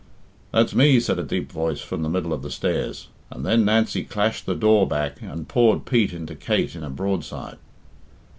"That's me," said a deep voice from the middle of the stairs, and then Nancy clashed the door back and poured Pete into Kate in a broadside.